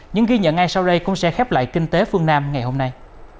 những ghi nhận ngay sau đây cũng sẽ khép lại kinh tế phương nam ngày hôm nay